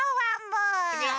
いくよ！